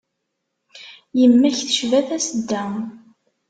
Yemma-k tecba tasedda.